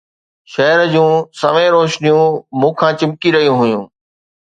شهر جون سوين روشنيون مون کان چمڪي رهيون هيون